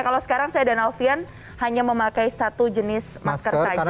kalau sekarang saya dan alfian hanya memakai satu jenis masker saja